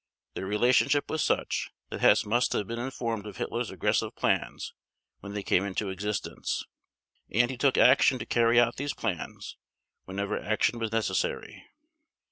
Their relationship was such that Hess must have been informed of Hitler's aggressive plans when they came into existence. And he took action to carry out these plans whenever action was necessary.